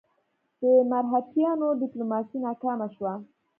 د مرهټیانو ډیپلوماسي ناکامه شوه.